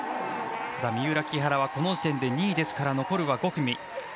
三浦、木原はこの時点で２位ですから残るは５組。